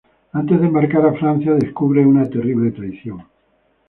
Antes de embarcar a Francia descubre una terrible traición.